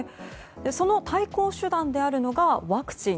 その対抗手段であるのがワクチン。